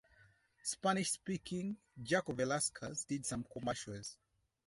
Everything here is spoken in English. Spanish-speaking Jaci Velasquez did some commercials.